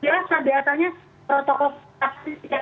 biasa biasanya protokol kapsis tidak diangkat